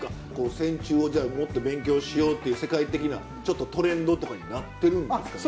線虫をじゃあもっと勉強しようっていう世界的なちょっとトレンドとかになってるんですかね？